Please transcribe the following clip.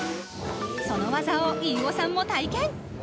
その技を飯尾さんも体験。